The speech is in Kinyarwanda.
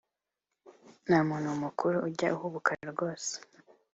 nta muntu mukuru ujya uhubuka rwose